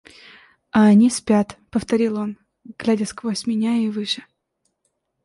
— А они спят, — повторил он, глядя сквозь меня и выше.